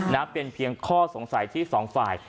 นะเป็นเพียงข้อสงสัยที่สองฝ่าย